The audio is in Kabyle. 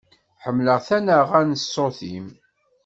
Ḥemmleɣ tanaɣa n ṣṣut-im.